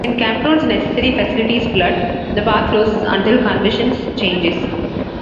When campgrounds and necessary facilities flood, the park closes until conditions changes.